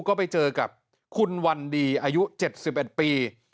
ก็ไปเจอกับคุณวันดีอายุ๗๑ปี